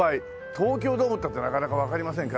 東京ドームったってなかなかわかりませんから。